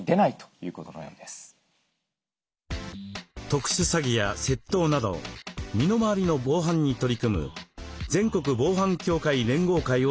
特殊詐欺や窃盗など身の回りの防犯に取り組む「全国防犯協会連合会」を訪ねました。